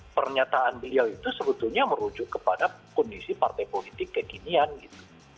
pernyataan beliau itu sebetulnya merujuk kepada kondisi partai politik kekinian gitu